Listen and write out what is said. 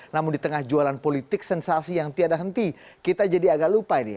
namun di tengah jualan politik sensasi yang tiada henti kita jadi agak lupa ini